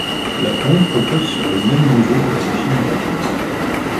La pompe repose sur le même niveau que la machine à vapeur.